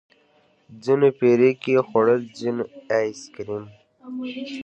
ځينو پيركي خوړل ځينو ايس کريم.